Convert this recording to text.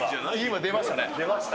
出ました。